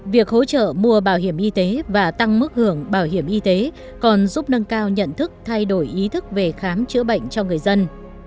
việc hỗ trợ mua bảo hiểm y tế và tăng mức hưởng bảo hiểm y tế còn giúp nâng cao nhận thức thay đổi ý thức về khám chữa bệnh cho người dân